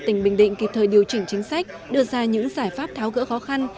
tỉnh bình định kịp thời điều chỉnh chính sách đưa ra những giải pháp tháo gỡ khó khăn